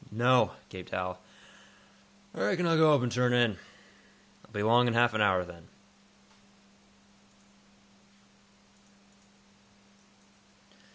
"No," gaped Hal. "I reckon I'll go up and turn in." "I'll be along in half an hour, then."